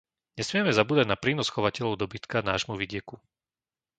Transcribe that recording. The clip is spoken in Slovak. Nesmieme zabúdať na prínos chovateľov dobytka nášmu vidieku.